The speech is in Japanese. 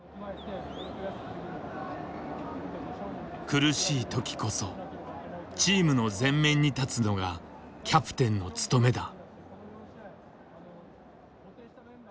苦しい時こそチームの前面に立つのがキャプテンの務めだ。